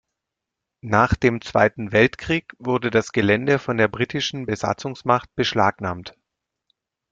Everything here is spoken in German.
Nach dem Zweiten Weltkrieg wurde das Gelände von der britischen Besatzungsmacht beschlagnahmt.